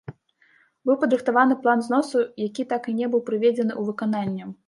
Быў падрыхтаваны план зносу, які так і не быў прыведзены ў выкананне.